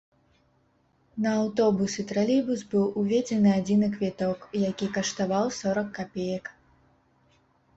На аўтобус і тралейбус быў уведзены адзіны квіток, які каштаваў сорак капеек.